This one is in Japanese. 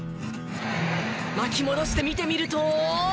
巻き戻して見てみると。